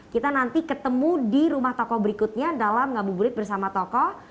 kita nanti ketemu di rumah tokoh berikutnya dalam ngabuburit bersama tokoh